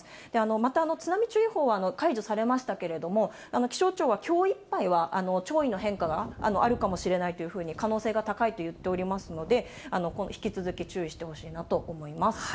また、津波注意報は解除されましたけれども、気象庁はきょういっぱいは、潮位の変化があるかもしれないというふうに、可能性が高いと言っておりますので、引き続き注意してほしいなと思います。